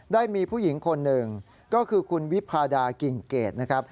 ได้มีผู้หญิงคนหนึ่งก็คือคุณวิพาดากิ่งเกรดนะครับ